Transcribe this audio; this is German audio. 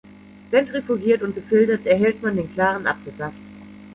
Zentrifugiert und gefiltert erhält man den klaren Apfelsaft.